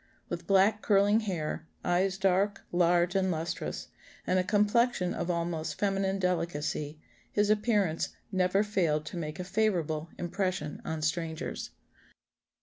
With black curling hair, eyes dark, large, and lustrous, and a complexion of almost feminine delicacy, his appearance never failed to make a favourable impression on strangers."